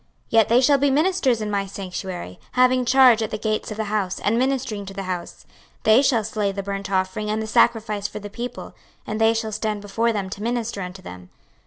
26:044:011 Yet they shall be ministers in my sanctuary, having charge at the gates of the house, and ministering to the house: they shall slay the burnt offering and the sacrifice for the people, and they shall stand before them to minister unto them.